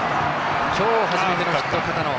きょう初めてのヒット、片野。